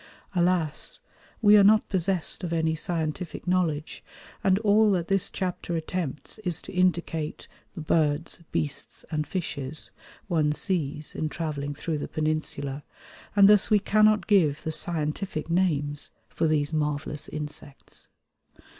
Alas! we are not possessed of any scientific knowledge, and all that this chapter attempts is to indicate "the birds, beasts and fishes" one sees in travelling through the Peninsula, and thus we cannot give the scientific names for these marvellous insects.